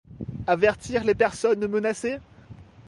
Avertir les personnes menacées?